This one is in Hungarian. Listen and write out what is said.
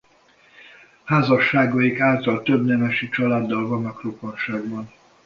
Házasságaik által több nemesi családdal vannak rokonságban.